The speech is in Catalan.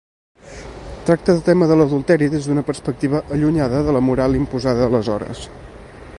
Tracta el tema de l'adulteri des d'una perspectiva allunyada de la moral imposada aleshores.